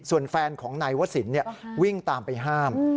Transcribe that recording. ส่วนแฟนของนายวศิลป์วิ่งตามไปห้าม